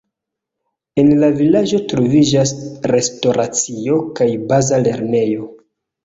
En la vilaĝo troviĝas restoracio kaj baza lernejo.